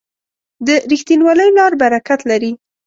د رښتینولۍ لار برکت لري.